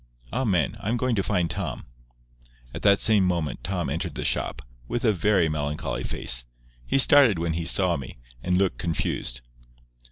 "Amen. I'm going to find Tom." At the same moment Tom entered the shop, with a very melancholy face. He started when he saw me, and looked confused.